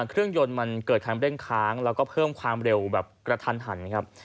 เครื่องยนต์มันเกิดคันเร่งค้างแล้วก็เพิ่มความเร็วแบบกระทันหันครับ